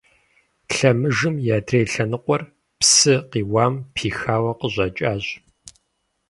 Лъэмыжым и адрей лъэныкъуэр псы къиуам пихауэ къыщӀэкӀащ.